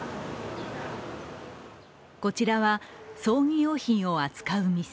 こちらは葬儀用品を扱う店。